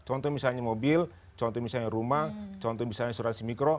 contohnya misalnya mobil contohnya misalnya rumah contohnya misalnya asuransi mikro